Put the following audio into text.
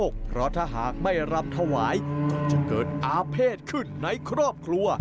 เพราะถ้าหากไม่รำถวายก็จะเกิดอาเภษขึ้นในครอบครัว